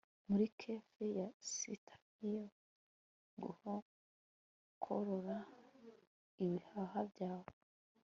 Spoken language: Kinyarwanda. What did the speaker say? muri café ya sitasiyo, gukorora ibihaha byawe